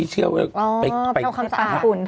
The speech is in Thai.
เออเขาคำสาปุ่น